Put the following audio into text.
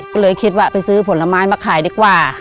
ก็เลยคิดว่าไปซื้อผลไม้มาขายดีกว่า